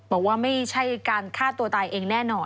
บอกว่าไม่ใช่การฆ่าตัวตายเองแน่นอน